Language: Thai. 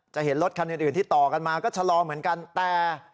เห็นรถคันอื่นที่ต่อกันมาก็ชะลอเหมือนกันแต่